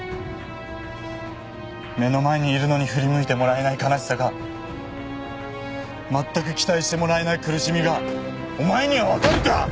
目の前にいるのに振り向いてもらえない悲しさがまったく期待してもらえない苦しみがお前には分かるか！